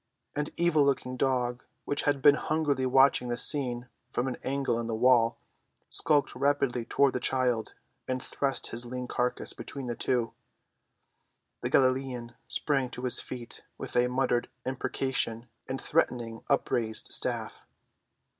An evil‐ looking dog which had been hungrily watching the scene from an angle in the wall skulked rapidly toward the child, and thrust his lean carcass between the two; the Galilean sprang to his feet with a muttered imprecation and threatening up‐raised staff.